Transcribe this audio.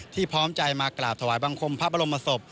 พร้อมใจมากราบถวายบังคมพระบรมศพ